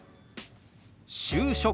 「就職」。